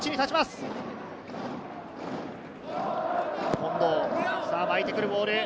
近藤、巻いてくるボール。